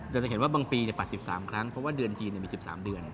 จะเห็นว่าบางปี๘๓ครั้งเพราะว่าเดือนจีนมี๑๓เดือน